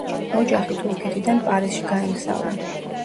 ოჯახი თურქეთიდან პარიზში გაემგზავრა.